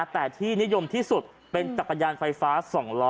แต่ที่นิยมที่สุดเป็นจักรยานไฟฟ้า๒ล้อ